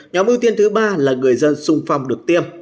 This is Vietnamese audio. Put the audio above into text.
nhóm ưu tiên thứ ba là người dân xung phong được tiêm